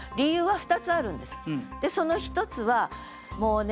その一つはもうね